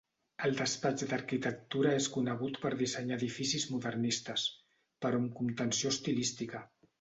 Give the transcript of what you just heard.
El despatx d'arquitectura és conegut per dissenyar edificis modernistes, però amb contenció estilística.